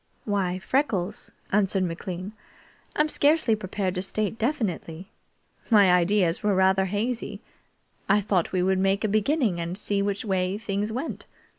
"Why, Freckles," answered McLean, "I'm scarcely prepared to state definitely. My ideas were rather hazy. I thought we would make a beginning and see which way things went.